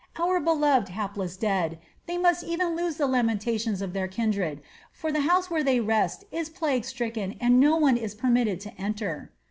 Our beloved, hapless dead! They must even lose the lamentations of their kindred; for the house where they rest is plague stricken and no one is permitted to enter."